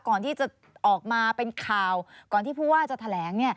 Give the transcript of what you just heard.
ก่อนที่จะออกมาเป็นข่าวก่อนที่ผู้ว่าจะแถลง